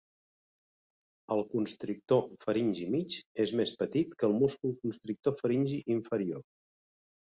El constrictor faringi mig és més petit que el múscul constrictor faringi inferior.